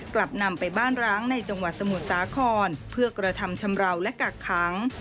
กลับนำไปบ้านร้างในจังหวัดสมุทรสาครเพื่อกระทำชำราวและกักขัง